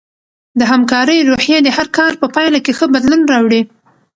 د همکارۍ روحیه د هر کار په پایله کې ښه بدلون راوړي.